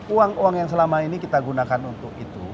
uang uang yang selama ini kita gunakan untuk itu